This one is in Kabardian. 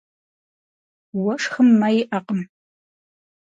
Уэшхым мэ иӏэкъым.